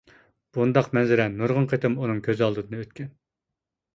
بۇنداق مەنزىرە نۇرغۇن قېتىم ئۇنىڭ كۆز ئالدىدىن ئۆتكەن.